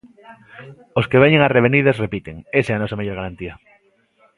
Os que veñen ás Revenidas, repiten, esa é a nosa mellor garantía.